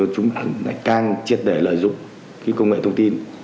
chúng ngày càng triệt để lợi dụng công nghệ thông tin